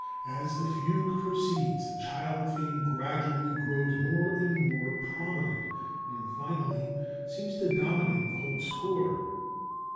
As the Fugue proceeds, the child theme gradually grows more and more prominent, and finally seems to dominate the whole score."